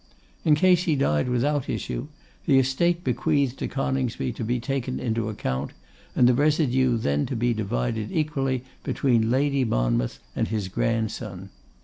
In case he died without issue, the estate bequeathed to Coningsby to be taken into account, and the residue then to be divided equally between Lady Monmouth and his grandson.